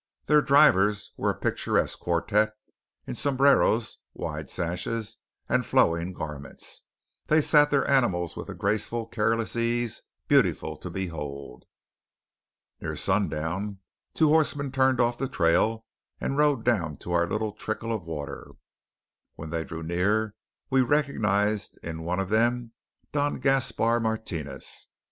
Their drivers were a picturesque quartette in sombreros, wide sashes, and flowing garments. They sat their animals with a graceful careless ease beautiful to behold. Near sundown two horsemen turned off the trail and rode down to our little trickle of water. When they drew near we recognized in one of them Don Gaspar Martinez.